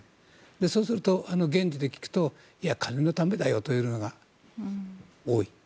そうすると、現地で聞くと金のためだよというのが多い。